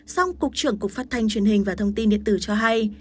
song cục trưởng cục phát thanh truyền hình và thông tin điện tử cho hay